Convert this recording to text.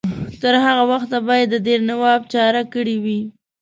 تر هغه وخته به یې د دیر نواب چاره کړې وي.